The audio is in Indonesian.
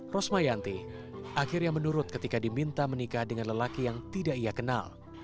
rosmayanti akhirnya menurut ketika diminta menikah dengan lelaki yang tidak ia kenal